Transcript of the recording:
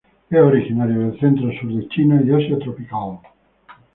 Es originario del centro sur de China y Asia tropical.